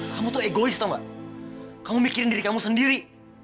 kamu tuh egois atau gak kamu mikirin diri kamu sendiri